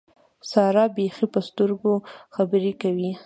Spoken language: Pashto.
سارا بېخي په سترګو خبرې کولې.